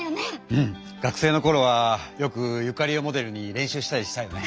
うん！学生のころはよくユカリをモデルに練習したりしたよね。